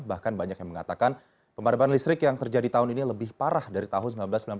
bahkan banyak yang mengatakan pemadaman listrik yang terjadi tahun ini lebih parah dari tahun seribu sembilan ratus sembilan puluh